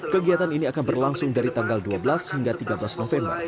kegiatan ini akan berlangsung dari tanggal dua belas hingga tiga belas november